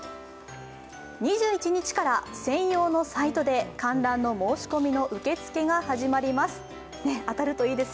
２１日から専用のサイトで観覧の申し込みの受け付けが始まります。